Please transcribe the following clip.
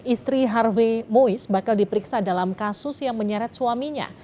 istri harvey mois bakal diperiksa dalam kasus yang menyeret suaminya